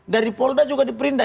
dari poldres juga diperintah